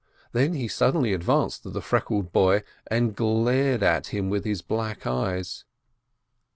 Then he suddenly advanced to the freckled boy, and glared at him with his black eyes.